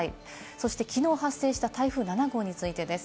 そしてきのう発生した台風７号についてです。